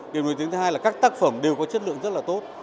điểm nổi tiếng thứ hai là các tác phẩm đều có chất lượng rất là tốt